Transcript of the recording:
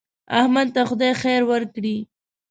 احمد ته خدای خیر ورکړي.